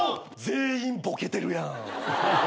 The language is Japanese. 全員ボケてるやーん。